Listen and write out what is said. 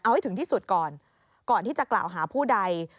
เอาให้ถึงที่สุดก่อนก่อนที่จะกล่าวหาผู้ใด